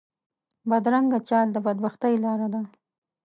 بدرنګه چال د بد بختۍ لاره ده